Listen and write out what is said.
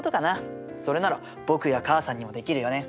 それなら僕や母さんにもできるよね。